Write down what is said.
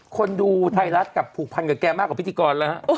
คนดูไทยรัฐกับผูกพันกับแกมากกว่าพิธีกรแล้วฮะ